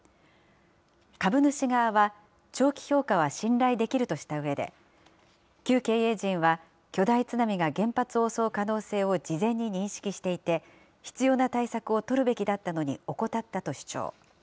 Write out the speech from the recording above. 株主側は、長期評価は信頼できるとしたうえで、旧経営陣は巨大津波が原発を襲う可能性を事前に認識していて、必要な対策を取るべきだったのに怠ったと主張。